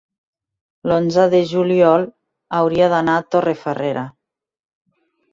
l'onze de juliol hauria d'anar a Torrefarrera.